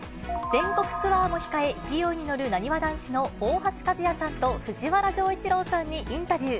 全国ツアーも控え、勢いに乗るなにわ男子の大橋和也さんと藤原丈一郎さんにインタビュー。